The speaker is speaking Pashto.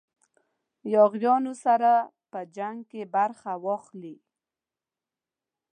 یاغیانو سره په جنګ کې برخه واخلي.